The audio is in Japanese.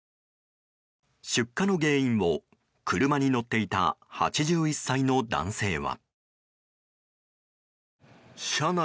出火の原因を車に乗っていた８１歳の男性は。